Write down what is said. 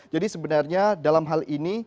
jadi sebenarnya dalam hal ini